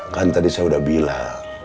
kan tadi saya sudah bilang